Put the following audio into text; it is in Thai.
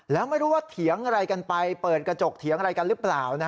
แล้วไม่รู้ว่าเถียงอะไรกันไปเปิดกระจกเถียงอะไรกันหรือเปล่า